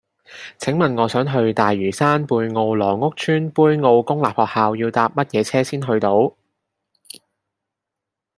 請問我想去大嶼山貝澳羅屋村杯澳公立學校要搭乜嘢車先去到